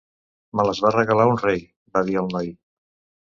"Me les va regalar un rei", va dir el noi.